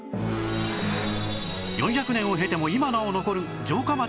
４００年を経ても今なお残る城下町のたたずまい